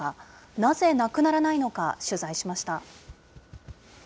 なぜなくならないのか、取材しました。